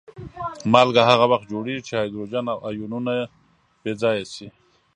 مالګه هغه وخت جوړیږي چې هایدروجن آیونونه بې ځایه شي.